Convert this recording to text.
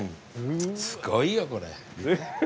すごいよこれ。